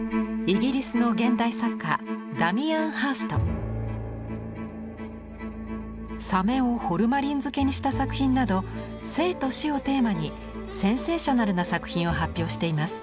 イギリスの現代作家サメをホルマリン漬けにした作品など「生と死」をテーマにセンセーショナルな作品を発表しています。